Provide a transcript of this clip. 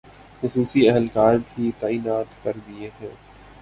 خصوصی اہلکار بھی تعینات کردیئے ہیں